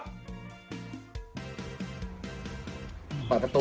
ปลอดประตูที่ไหนครับผมปลอดโอ้ย